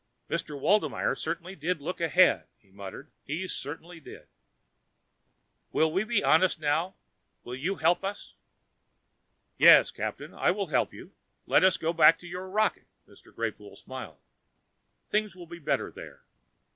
"Mr. Waldmeyer certainly did look ahead," he muttered, "he certainly did." "Will we be honest now? Will you help us?" "Yes, Captain, I will help you. Let us go back to your rocket." Mr. Greypoole smiled. "Things will be better there."